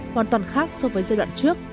hoàn toàn khác so với giai đoạn trước